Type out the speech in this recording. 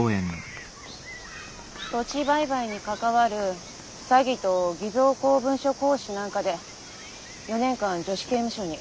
土地売買に関わる詐欺と偽造公文書行使なんかで４年間女子刑務所に。